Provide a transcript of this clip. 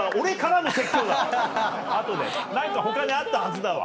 何か他にあったはずだわ。